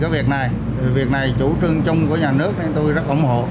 việc này chủ trương chung của nhà nước nên tôi rất ủng hộ